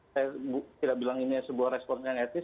saya tidak bilang ini sebuah respons yang etis